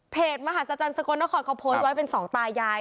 มหาศจรรย์สกลนครเขาโพสต์ไว้เป็นสองตายาย